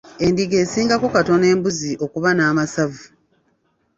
Endiga esingako katono embuzi okuba n'amasavu.